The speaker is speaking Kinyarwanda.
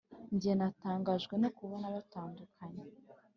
njye natangajwe no kubona batandukanye